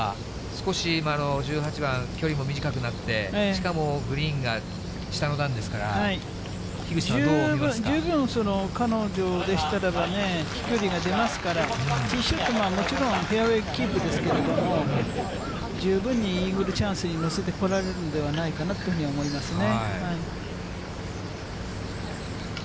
少し１８番、距離も短くなって、しかもグリーンが下の段ですから、樋口さん、十分、彼女でしたらばね、飛距離が出ますから、ティーショットはもちろんフェアウエーキープですけれども、十分にイーグルチャンスに乗せてこられるんじゃないかなというふうには思いますね。